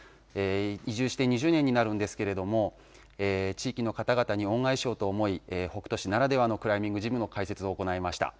移住して２０年になるんですけれども、地域の方々に恩返しをと思い、北杜市ならではのクライミングジムの開設を行いました。